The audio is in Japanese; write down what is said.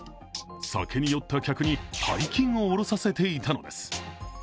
酒に酔った客に大金を下ろさせていたのです。